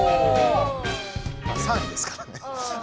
まあ３位ですからね。